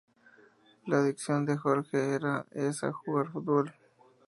La adicción de Jorge era esa: jugar futbol.